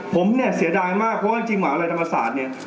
ผมเนี่ยเสียดายมากเพราะว่า